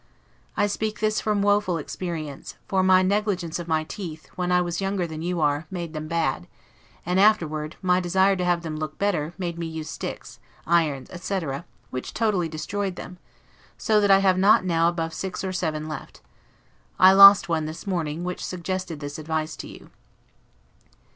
I speak this from woeful experience; for my negligence of my teeth, when I was younger than you are, made them bad; and afterward, my desire to have them look better, made me use sticks, irons, etc., which totally destroyed them; so that I have not now above six or seven left. I lost one this morning, which suggested this advice to you.